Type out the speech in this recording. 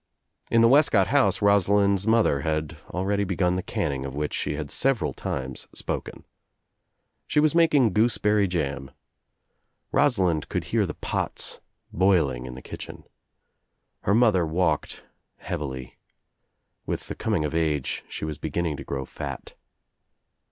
In the Wescott house Rosalind's mother had already begun the canning of which she had several times spoken. She was making gooseberry jam. Rosalind could hear the pots boiling In the kitchen. Her mother walked heavily. With the coming of age she was beginning to grow fat.